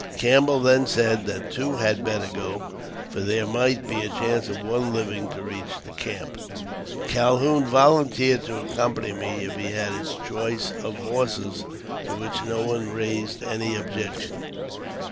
Campbell then said that two had better go, for there might be a chance of one living to reach the camp. Calhoun volunteered to accompany me, if he had his choice of horses, to which no one raised any objection.